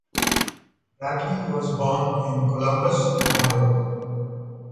Bradley was born in Columbus, Ohio.